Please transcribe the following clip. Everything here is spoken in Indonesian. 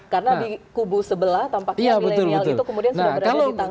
karena di kubu sebelah tampaknya milenial itu kemudian sudah berada di tangan tadi